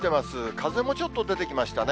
風もちょっと出てきましたね。